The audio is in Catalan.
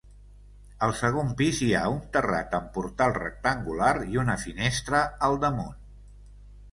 Al segon pis hi ha un terrat amb portal rectangular i una finestra al damunt.